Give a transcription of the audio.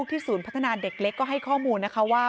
ศูนย์พัฒนาเด็กเล็กก็ให้ข้อมูลนะคะว่า